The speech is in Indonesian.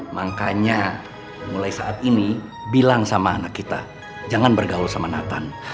makanya mulai saat ini bilang sama anak kita jangan bergaul sama nathan